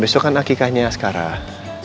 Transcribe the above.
besok kan akikahnya sekarang